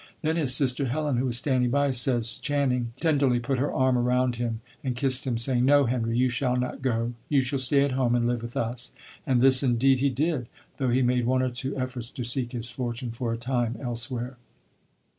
Then his sister Helen, who was standing by, says Channing, "tenderly put her arm around him and kissed him, saying, 'No, Henry, you shall not go; you shall stay at home and live with us.'" And this, indeed, he did, though he made one or two efforts to seek his fortune for a time elsewhere.